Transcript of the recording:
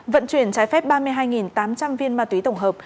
vận chuyển trái phép ba mươi hai tám trăm linh viên ma túy tổng hợp